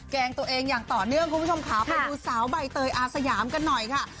แกล้งตัวเองอย่างต่อเนื่องคุณผู้ชมค่ะไปดูสาวใบเตยอาสยามกันหน่อยค่ะ